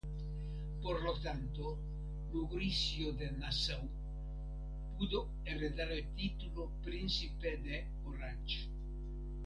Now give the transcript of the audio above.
Por lo tanto, Mauricio de Nassau pudo heredar el título Príncipe de Orange.